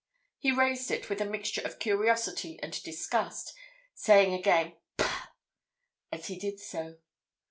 He raised it with a mixture of curiosity and disgust, saying again 'pah,' as he did so.